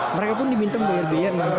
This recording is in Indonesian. mereka pun diminta brbn enam puluh